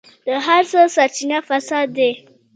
د هر څه سرچينه فساد دی.